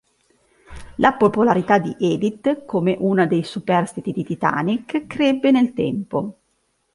La popolarità di Edith, come una dei superstiti del "Titanic", crebbe nel tempo.